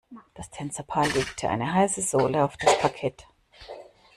Das Tänzerpaar legt eine heiße Sohle auf das Parkett.